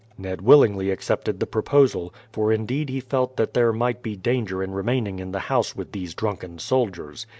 Ned willingly accepted the proposal, for indeed he felt that there might be danger in remaining in the house with these drunken soldiers.